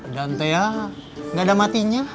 dan teah nggak ada matinya